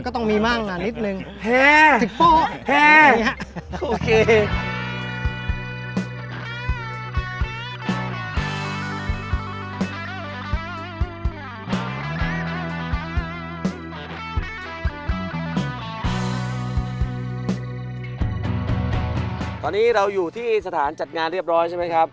ตอนนี้เราอยู่ที่สถานจัดงานเรียบร้อยใช่ไหมครับ